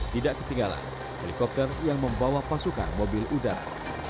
tidak ketinggalan helikopter yang membawa pasukan mobil udara